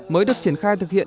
mới được triển khai thực hiện